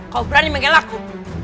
kau berani mengelakku